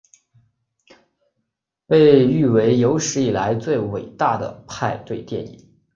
被誉为有史以来最伟大的派对电影。